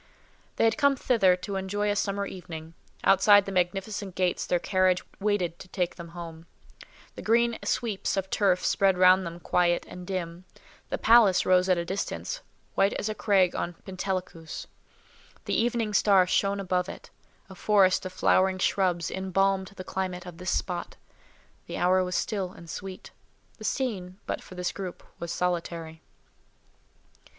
They had come thither to enjoy a summer evening: outside the magnificent gates their carriage waited to take them home; the green sweeps of turf spread round them quiet and dim; the palace rose at a distance, white as a crag on Pentelicus; the evening star shone above it; a forest of flowering shrubs embalmed the climate of this spot; the hour was still and sweet; the scene, but for this group, was solitary.